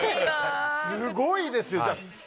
すごいですよ。